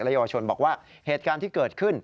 เยาวชนบอกว่าเหตุการณ์ที่เกิดขึ้น